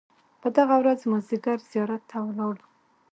په دغه ورځ مازیګر زیارت ته ولاړو.